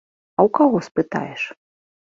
А ў каго спытаеш?